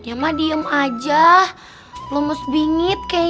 kayaknya yaudah si harel itu